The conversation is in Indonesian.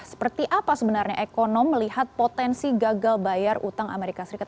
seperti apa sebenarnya ekonom melihat potensi gagal bayar utang amerika serikat